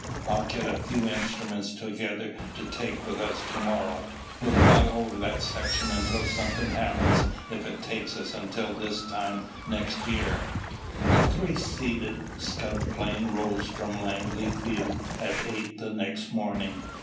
I'll get a few instruments together to take with us to morrow. We'll fly over that section until something happens if it takes us until this time next year." A three seated scout plane rose from Langley Field at eight the next morning.